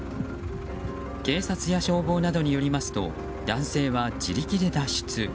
警察や消防によりますと男性は自力で脱出。